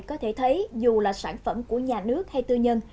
có thể thấy dù là sản phẩm của nhà nước hay tư nhân